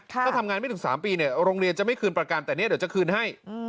ถ้าทำงานไม่ถึง๓ปีเนี่ยโรงเรียนจะไม่คืนประกันแต่เนี่ยเดี๋ยวจะคืนให้